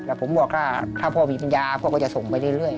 แล้วผมบอกว่าถ้าพ่อมีปัญญาพ่อก็จะส่งไปเรื่อย